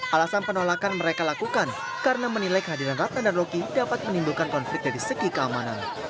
alasan penolakan mereka lakukan karena menilai kehadiran ratna dan rocky dapat menimbulkan konflik dari segi keamanan